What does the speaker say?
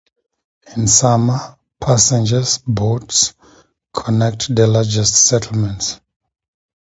In summer, passenger boats connect the largest settlements.